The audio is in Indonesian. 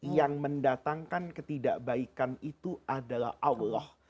yang mendatangkan ketidakbaikan itu adalah allah